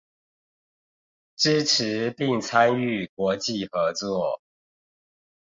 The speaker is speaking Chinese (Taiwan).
支持並參與國際合作